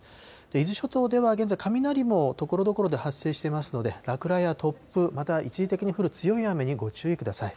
伊豆諸島では現在、雷もところどころで発生していますので、落雷や突風、また一時的に降る強い雨にご注意ください。